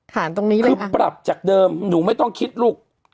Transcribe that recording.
ตรงนี้เลยคือปรับจากเดิมหนูไม่ต้องคิดลูก